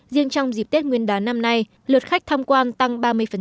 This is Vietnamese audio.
riêng trong dịp tết nguyên đán năm nay lượt khách tham quan tăng ba mươi